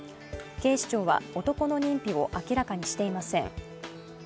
警視庁は男の認否を明らかにしていません。